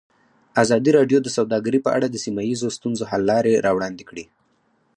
ازادي راډیو د سوداګري په اړه د سیمه ییزو ستونزو حل لارې راوړاندې کړې.